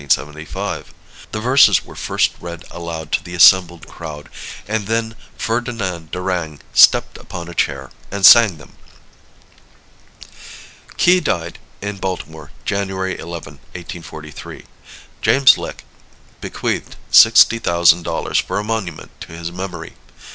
The verses were first read aloud to the assembled crowd, and then Ferdinand Durang stepped upon a chair and sang them. Key died in Baltimore, January 11, 1843. James Lick bequeathed sixty thousand dollars for a monument to his memory.